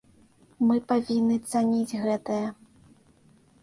Мы павінны цаніць гэтае.